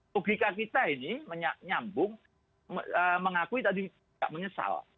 tugika kita ini menyambung mengakui tadi tidak menyesal